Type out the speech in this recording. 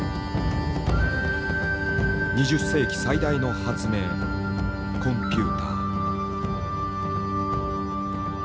２０世紀最大の発明コンピューター。